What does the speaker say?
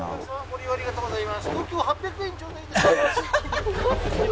ご利用ありがとうございます。